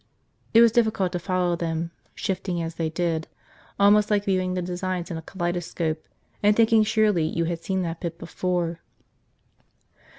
It was difficult to follow them, shifting as they did – almost like viewing the designs in a kaleidoscope and thinking surely you had seen that bit before.